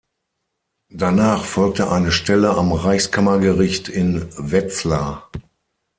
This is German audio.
Danach folgte eine Stelle am Reichskammergericht in Wetzlar.